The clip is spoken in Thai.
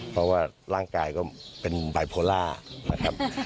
เพราะว่าร่างกายก็เป็นบายโพล่านะครับ